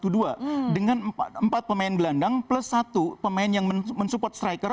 dengan empat pemain gelandang plus satu pemain yang mensupport striker